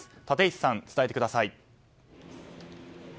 立石さん、伝えてください。